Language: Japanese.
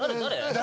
誰？